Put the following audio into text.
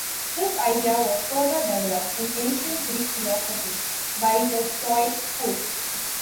This idea was further developed in Ancient Greek philosophy by the Stoic school.